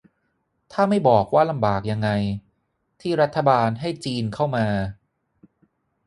ถ้าไม่บอกว่าลำบากยังไง ที่รัฐบาลให้จีนเข้ามา